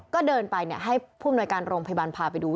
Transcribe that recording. ก็เดินไปให้ผู้อำนวยการโรงพยาบาลพาไปดู